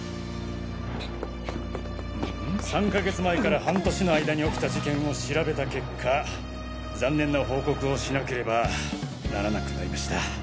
３か月前から半年の間に起きた事件を調べた結果残念な報告をしなければならなくなりました。